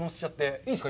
いいですか？